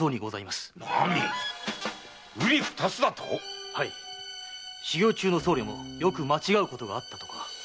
「うりふたつ」だと⁉はい修行中の僧侶もよく間違うことがあったとか。